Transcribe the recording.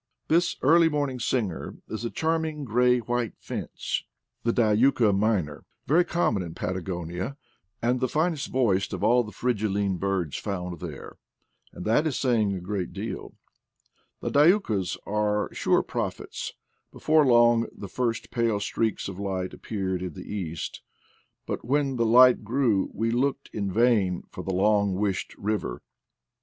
This early morning singer is a charming AT LAST, PATAGONIA! 15 gray and white finch, the Diuca minor, very com mon in Patagonia, and the finest voiced of all the fringilline birds found there; and that is saying a great deal The dincas were sure prophets: before long the first pale streaks of light appeared in the east, but when the light grew we looked in vain for the long wished river.